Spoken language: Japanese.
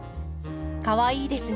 かわいいですね。